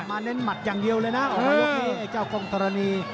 มานั่นหมัดอย่างเดียวเลยนะน้อโอเคไอ้เจ้ากองตรณี